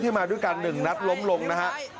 มาด้วยกัน๑นัดล้มลงนะฮะ